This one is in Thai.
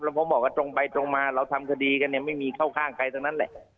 แล้วผมบอกว่าตรงไปตรงมาเราทำสดีกันไม่มีเข้าข้างใครตรงนั้นแหละ